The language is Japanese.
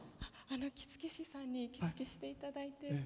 着付け師さんに着付けしていただいて。